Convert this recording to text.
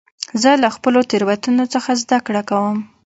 زه له خپلو تېروتنو څخه زدهکړه کوم.